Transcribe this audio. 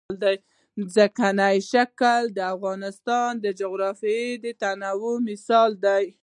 ځمکنی شکل د افغانستان د جغرافیوي تنوع مثال دی.